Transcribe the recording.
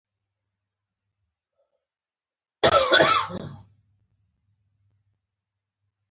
په قفس کې بندۍ نه کړي